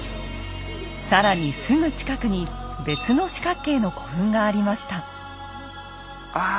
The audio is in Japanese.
更にすぐ近くに別の四角形の古墳がありました。